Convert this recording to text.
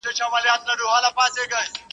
کرۍ شپه به وه پرانیستي دوکانونه.